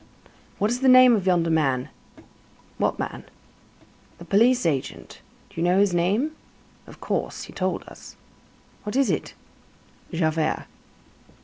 "What is the name of yonder man?" "What man?" "The police agent. Do you know his name?" "Of course. He told us." "What is it?" "Javert."